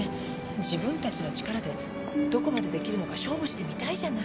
自分たちの力でどこまでできるのか勝負してみたいじゃない。